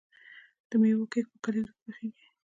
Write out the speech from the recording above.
د میوو کیک په کلیزو کې پخیږي.